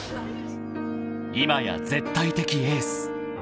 ［今や絶対的エース］